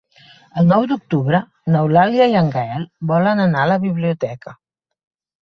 El nou d'octubre n'Eulàlia i en Gaël volen anar a la biblioteca.